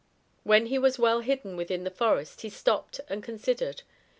When he was well hidden within the forest he stopped and considered.